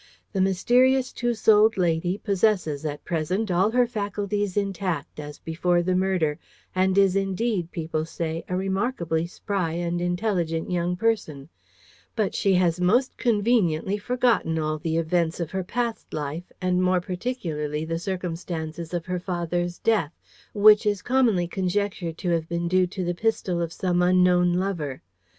The mysterious two souled lady possesses, at present, all her faculties intact, as before the murder, and is indeed, people say, a remarkably spry and intelligent young person; but she has most conveniently forgotten all the events of her past life, and more particularly the circumstances of her father's death, which is commonly conjectured to have been due to the pistol of some unknown lover.